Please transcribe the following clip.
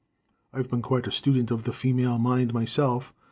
"I've been quite a student of the female mind myself.